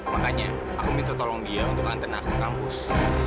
makanya aku minta tolong dia untuk nganten aku ke kampus